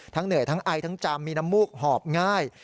เหนื่อยทั้งไอทั้งจำมีน้ำมูกหอบง่าย